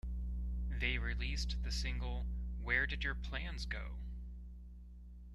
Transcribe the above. They released the single Where Did Your Plans Go?